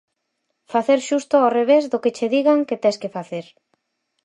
Facer xusto ao revés do que che digan que tes que facer.